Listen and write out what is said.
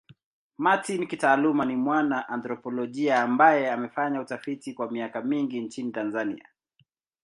Martin kitaaluma ni mwana anthropolojia ambaye amefanya utafiti kwa miaka mingi nchini Tanzania.